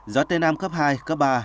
gió tây nam cấp hai cấp ba